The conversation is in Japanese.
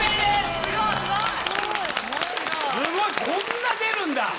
こんな出るんだ。